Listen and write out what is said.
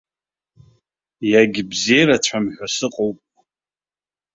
Иагьбзиарацәам ҳәа сыҟоуп.